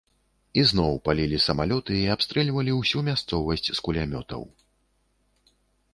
І зноў палілі самалёты і абстрэльвалі ўсю мясцовасць з кулямётаў.